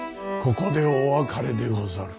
ここでお別れでござる。